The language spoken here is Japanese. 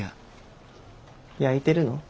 やいてるの？